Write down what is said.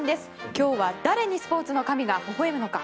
今日は誰にスポーツの神がほほ笑むのか